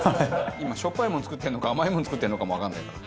今しょっぱいもの作ってるのか甘いもの作ってるのかもわからないから。